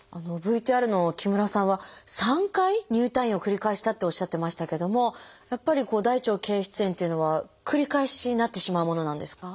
ＶＴＲの木村さんは３回入退院を繰り返したとおっしゃってましたけどもやっぱり大腸憩室炎っていうのは繰り返しなってしまうものなんですか？